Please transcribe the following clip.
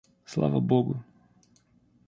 Слава Богу.